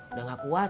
udah gak kuat